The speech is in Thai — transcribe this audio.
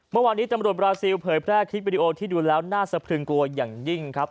เมื่อวานนี้ตำรวจบราซิลเผยแพร่คลิปวิดีโอที่ดูแล้วน่าสะพรึงกลัวอย่างยิ่งครับ